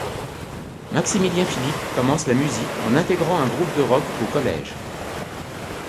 Maximilien Philippe commence la musique en intégrant un groupe de rock au collège.